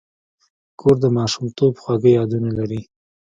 کور د ماشومتوب خواږه یادونه لري.